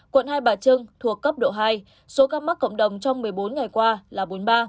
quận hai bà trưng thuộc cấp độ hai số ca mắc cộng đồng trong một mươi bốn ngày qua là bốn mươi ba